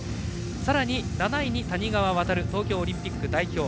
さらに７位に谷川航東京オリンピック代表。